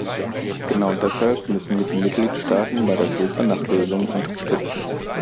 Genau deshalb müssen wir die Mitgliedstaaten bei der Suche nach Lösungen unterstützen.